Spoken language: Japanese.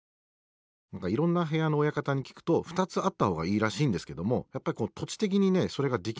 何かいろんな部屋の親方に聞くと２つあった方がいいらしいんですけどもやっぱり土地的にねそれができないらしいんですけどね。